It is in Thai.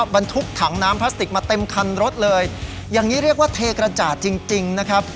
บรรทุกถังน้ำพลาสติกมาเต็มคันรถเลยอย่างนี้เรียกว่าเทกระจาดจริงจริงนะครับ